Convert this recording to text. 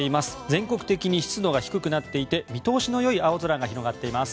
全国的に湿度が低くなっていて見通しのよい青空が広がっています。